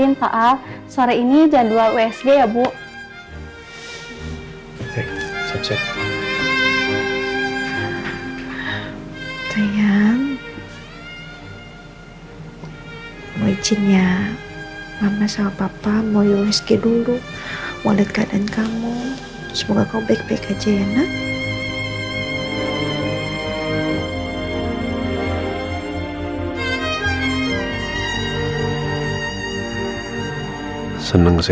ngapain dibawa masuk lagi